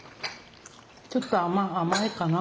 ちょっと甘いかな？